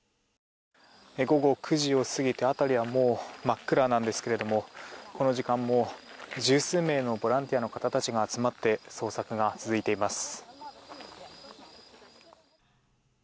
午後９時を過ぎて辺りはもう真っ暗なんですがこの時間も十数名のボランティアの方たちが集まって捜索が続いています。